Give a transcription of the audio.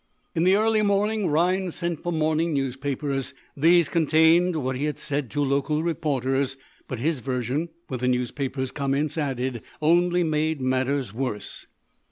In the early morning Rhinds sent for morning newspapers. These contained what he had said to local reporters, but his version, with the newspapers' comments added, only made matters worse.